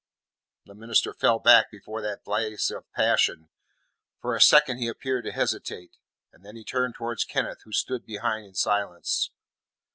The minister fell back before that blaze of passion. For a second he appeared to hesitate, then he turned towards Kenneth, who stood behind in silence.